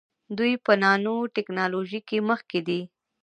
دوی په نانو ټیکنالوژۍ کې مخکې دي.